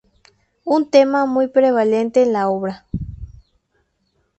Un tema muy prevalente en la obra.